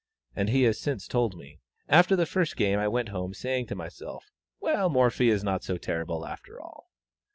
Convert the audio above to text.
And he has since told me "After the first game I went home saying to myself, 'Well, Morphy is not so terrible after all!'